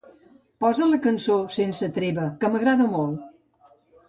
Posa la cançó "Sense treva", que m'agrada molt.